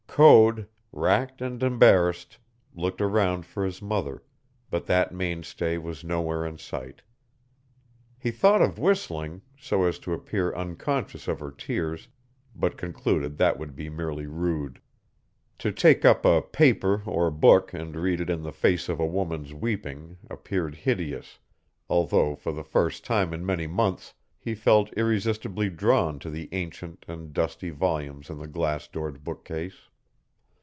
Code, racked and embarrassed, looked around for his mother, but that mainstay was nowhere in sight. He thought of whistling, so as to appear unconscious of her tears, but concluded that would be merely rude. To take up a paper or book and read it in the face of a woman's weeping appeared hideous, although for the first time in many months, he felt irresistibly drawn to the ancient and dusty volumes in the glass doored bookcase.